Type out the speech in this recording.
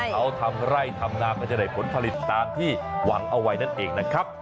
เขาทำไร่ทำนาก็จะได้ผลผลิตตามที่หวังเอาไว้นั่นเองนะครับ